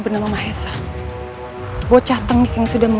kembali dengan selamat